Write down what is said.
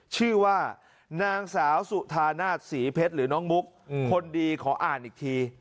ชื่อว่านางสาวสุธานาศศรีเพชรหรือน้องมุกคนดีขออ่านอีกที